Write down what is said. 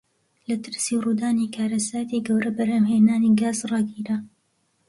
لە ترسی ڕوودانی کارەساتی گەورە بەرهەمهێنانی گاز ڕاگیرا.